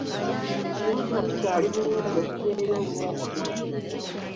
Eggwanga likyali bulungi okuva eri obulwadde.